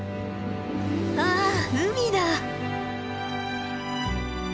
わあ海だ。